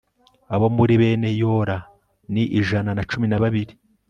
abo muri bene yora ni ijana na cumi na babiri